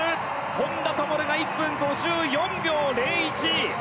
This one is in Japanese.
本多が１分５４秒０１。